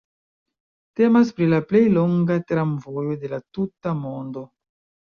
Temas pri la plej longa tramvojo de la tuta mondo.